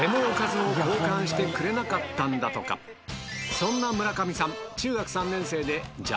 そんな村上さん